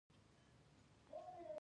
دوی د قومونو ترمنځ د بې اتفاقۍ هڅه کوي